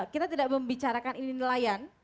kita tidak membicarakan ini nelayan